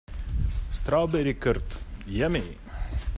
Strawberry curd, yummy!